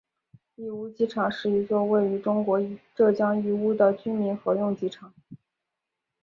义乌机场是一座位于中国浙江义乌的军民合用机场。